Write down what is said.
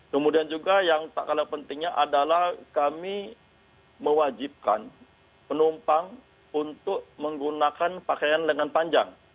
kemudian juga yang tak kalah pentingnya adalah kami mewajibkan penumpang untuk menggunakan pakaian lengan panjang